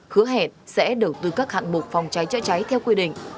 hứa hẹn sẽ đầu tư các hạng mục phòng cháy chữa cháy theo quy định